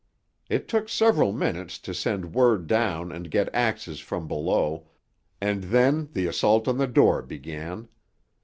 It took several minutes to send word down and get axes from below, and then the assault on the door began.